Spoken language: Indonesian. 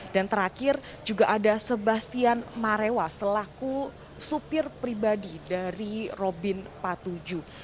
dan terakhir juga ada sebastian marewa selaku supir pribadi dari robin patuju